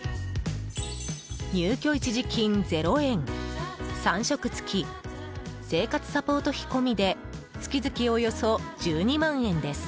入居一時金０円、３食付生活サポート費込みで月々およそ１２万円です。